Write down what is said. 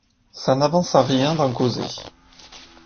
Ça n’avance à rien d’en causer